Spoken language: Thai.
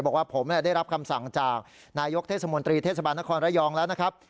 บอกว่าผมได้รับคำสั่งจากนายกเทศมนตรีเทศบาลนครระยองแล้วนะครับ